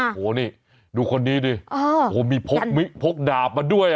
โอ้โหนี่ดูคนนี้ดิโอ้โหมีพกดาบมาด้วย